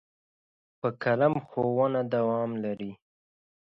په قلم ښوونه دوام لري.